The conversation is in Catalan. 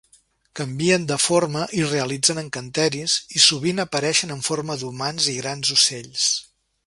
Canvien de forma i realitzen encanteris, i sovint apareixen en forma d'humans i grans ocells.